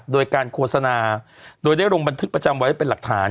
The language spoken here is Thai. โดยการโฆษณาโดยได้ลงบันทึกประจำไว้เป็นหลักฐาน